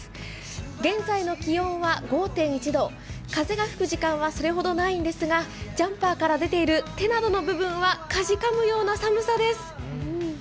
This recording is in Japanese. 現在の気温は５．１度、風が吹く時間はそれほどないんですがジャンパーから出ている手などの部分はかじかむような寒さです。